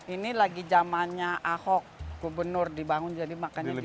ini lagi zamannya ahok gubernur dibangun jadi makanya gini